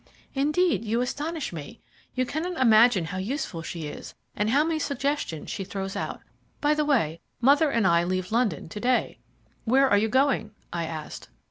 "Indeed, you astonish me. You cannot imagine how useful she is, and how many suggestions she throws out. By the way, mother and I leave London to day." "Where are you going?" I asked.